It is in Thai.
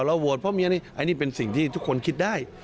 โหวตเพราะมีอันนี้เป็นสิ่งที่ทุกคนคิดได้